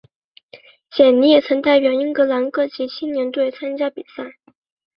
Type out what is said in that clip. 简尼也曾代表英格兰各级青年队参加比赛。